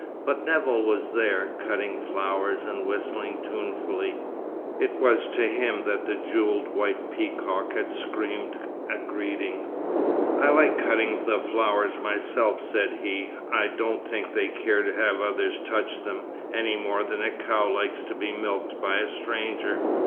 But Nevill was there, cutting flowers and whistling tunefully. It was to him that the jewelled white peacock had screamed a greeting. "I like cutting the flowers myself," said he. "I don't think they care to have others touch them, any more than a cow likes to be milked by a stranger.